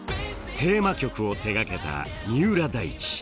テーマ曲を手がけた三浦大知。